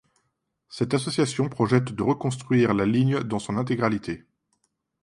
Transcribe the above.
Cette association projette de reconstruire la ligne dans son intégralité.